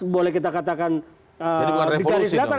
boleh kita katakan di karya silatan